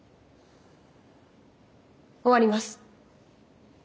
終わります。